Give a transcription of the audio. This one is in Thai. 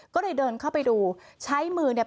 ก็เลยเดินเข้าไปดูใช้มือเนี่ย